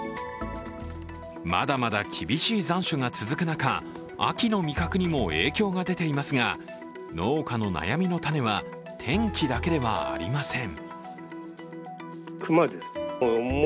まだまだ厳しい残暑が続く中、秋の味覚にも影響が出ていますが、農家の悩みの種は天気だけではありません。